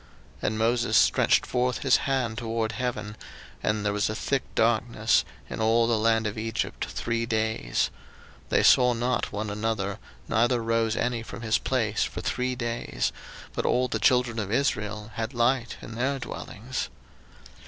02:010:022 And Moses stretched forth his hand toward heaven; and there was a thick darkness in all the land of Egypt three days: 02:010:023 They saw not one another, neither rose any from his place for three days: but all the children of Israel had light in their dwellings.